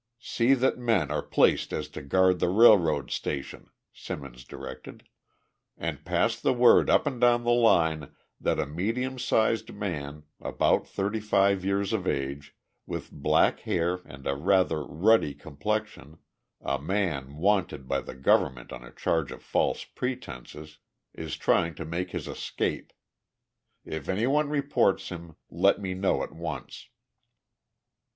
"See that men are placed so as to guard the railroad station," Simmons directed, "and pass the word up and down the line that a medium sized man, about thirty five years of age, with black hair and a rather ruddy complexion a man wanted by the government on a charge of false pretenses is trying to make his escape. If anyone reports him, let me know at once."